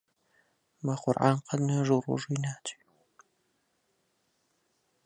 بە قورعان قەت نوێژ و ڕۆژووی ناچێ!